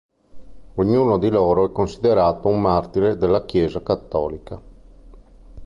Ognuno di loro è considerato un martire della chiesa cattolica.